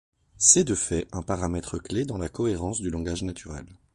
C'est de fait un paramètre clef dans la cohérence du langage naturel.